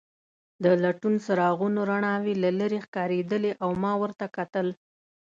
د لټون څراغونو رڼاوې له لیرې ښکارېدلې او ما ورته کتل.